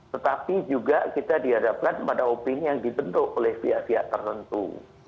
tetapi juga kita dihadapkan pada opini yang dibentuk oleh pihak pihak tertentu